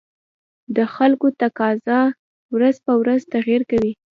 د خلکو تقاتضا ورځ په ورځ تغير کوي